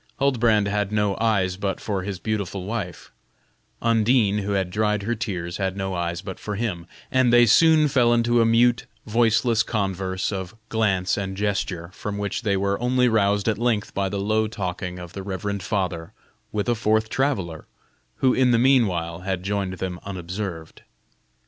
Huldbrand had no eyes but for his beautiful wife Undine, who had dried her tears, had no eyes but for him, and they soon fell into a mute, voiceless converse of glance and gesture, from which they were only roused at length by the low talking of the reverend father with a fourth traveller, who in the mean while had joined them unobserved.